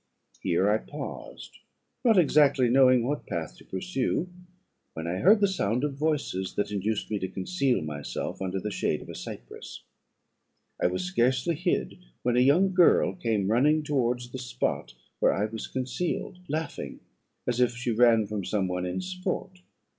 Here I paused, not exactly knowing what path to pursue, when I heard the sound of voices, that induced me to conceal myself under the shade of a cypress. I was scarcely hid, when a young girl came running towards the spot where I was concealed, laughing, as if she ran from some one in sport.